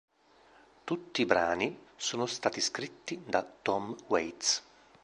Tutti brani sono stati scritti da Tom Waits